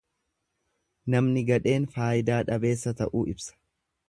Namni gadheen faayidaa dhabeessa ta'uu ibsa.